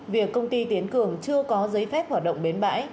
việc công ty tiến cường chưa có giấy phép hoạt động bến bãi